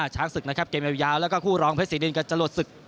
ช้างศึกกองฤยาวแล้วก็คู่รองเผ็ดศรีมาลกับจรวดศึก